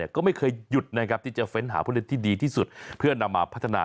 ก็ไม่เคยหยุดนะครับที่จะเฟ้นหาผู้เล่นที่ดีที่สุดเพื่อนำมาพัฒนา